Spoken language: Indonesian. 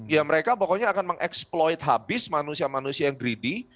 ya mereka pokoknya akan mengeksploit habis manusia manusia yang greedy